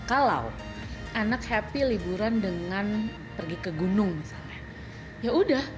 kalau anak happy liburan dengan pergi ke gunung misalnya ya udah